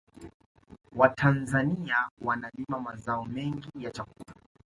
watanzania wanalima mazao mengi ya chakula